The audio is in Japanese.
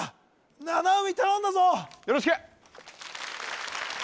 七海頼んだぞよろしく！